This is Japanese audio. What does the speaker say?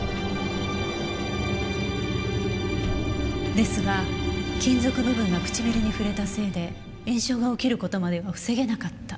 ですが金属部分が唇に触れたせいで炎症が起きる事までは防げなかった。